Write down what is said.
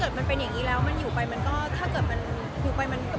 เพราะมันไม่ได้เช็คง่ายขนาดนั้นมันจะต้องเข้าไปนะข้อไปอีก